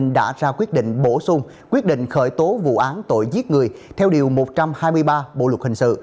đã ra quyết định bổ sung quyết định khởi tố vụ án tội giết người theo điều một trăm hai mươi ba bộ luật hình sự